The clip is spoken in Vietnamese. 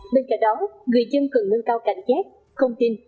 bên cạnh đó người dân cần nâng cao cảnh giác không tin